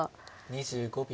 ２５秒。